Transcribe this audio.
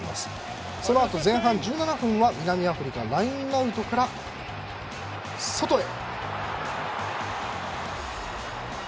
そのあと前半１７分に南アフリカがラインアウトから外へ。